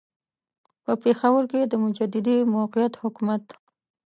په پېښور کې د مجددي موقت حکومت.